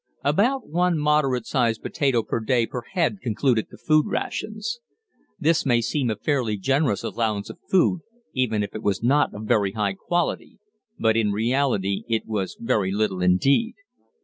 About one moderate sized potato per day per head concluded the food rations. This may seem a fairly generous allowance of food, even if it was not of very high quality, but in reality it was very little indeed.